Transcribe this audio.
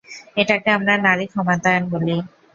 এটাকে আমরা নারী ক্ষমতায়ন বলি!